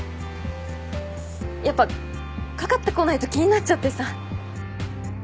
やっぱかかってこないと気になっちゃってさ。